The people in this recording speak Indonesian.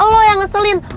lo yang ngeselin